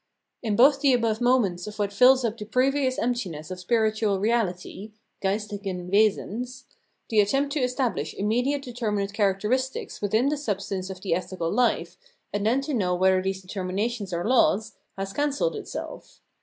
In both the above moments of what fills up the previous emptiness of spiritual reahty {geistigen Wesens), the attempt to establish immediate determinate char acteristics within the substance of the ethical life, and then to know whether these determinations are laws, has cancelled itself.